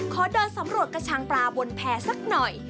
ขอเดินสำรวจกระชังปลาบนแพร่สักหน่อย